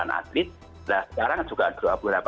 nah sekarang juga dua puluh delapan atlet